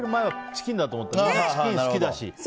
チキン好きだし。